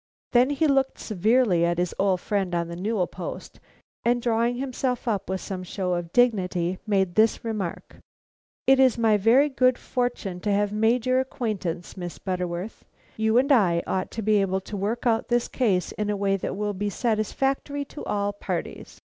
Then he looked severely at his old friend on the newel post, and drawing himself up with some show of dignity, made this remark: "It is my very good fortune to have made your acquaintance, Miss Butterworth. You and I ought to be able to work out this case in a way that will be satisfactory to all parties."